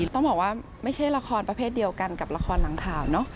ต้องบอกว่าไม่ใช่ละครประเภทเดียวกันกับละครหลังข่าวเนอะ